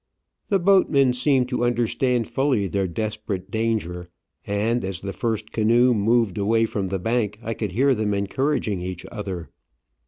The boatmen seemed to understand fully their desperate danger, and as the first canoe moved away from the bank I could hear them encouraging each other.